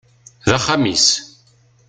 D axxam-is.